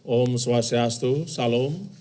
om swastiastu salam